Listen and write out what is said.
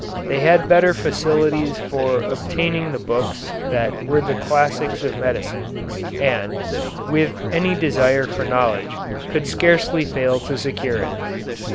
They had better facilities for obtaining the books that were the classics of medicine, and, with any desire for knowledge, could scarcely fail to secure it.